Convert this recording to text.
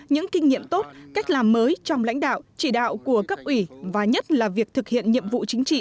những kinh nghiệm tốt cách làm mới trong lãnh đạo chỉ đạo của cấp ủy và nhất là việc thực hiện nhiệm vụ chính trị